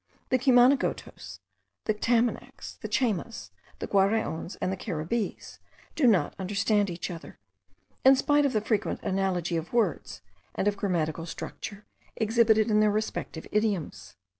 The Cumanagotos, the Tamanacs, the Chaymas, the Guaraons, and the Caribbees, do not understand each other, in spite of the frequent analogy of words and of grammatical structure exhibited in their respective idioms.